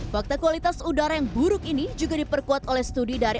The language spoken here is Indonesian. fakta kualitas udara yang buruk ini juga diperkuat oleh studi dari